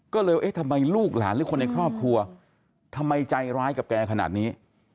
ก็เลยเอ๊ะทำไมลูกหลานหรือคนในครอบครัวทำไมใจร้ายกับแกขนาดนี้